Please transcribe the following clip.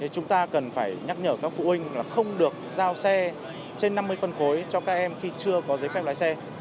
chúng ta cần phải nhắc nhở các phụ huynh là không được giao xe trên năm mươi phân khối cho các em khi chưa có giấy phép lái xe